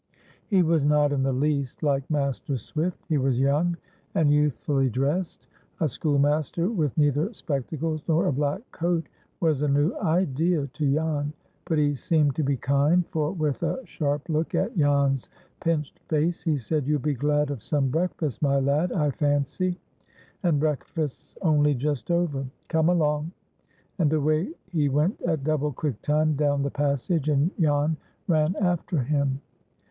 He was not in the least like Master Swift. He was young, and youthfully dressed. A schoolmaster with neither spectacles nor a black coat was a new idea to Jan; but he seemed to be kind, for, with a sharp look at Jan's pinched face, he said, "You'll be glad of some breakfast, my lad, I fancy; and breakfast's only just over. Come along." And away he went at double quick time down the passage, and Jan ran after him.